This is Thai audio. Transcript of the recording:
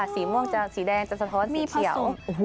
สีม่วงจะสีแดงจะสะท้อนสีเขียว